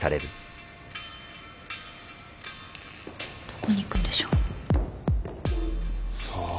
どこに行くんでしょう。